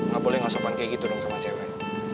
gak boleh ngasapan kayak gitu dong sama cewek